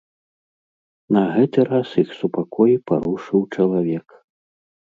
На гэты раз іх супакой парушыў чалавек.